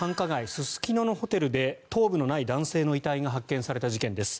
すすきののホテルで頭部のない男性の遺体が発見された事件です。